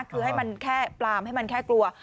คือให้มันแค่ปลามให้มันแค่กลัว